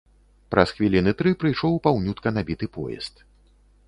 Праз хвіліны тры прыйшоў паўнютка набіты поезд.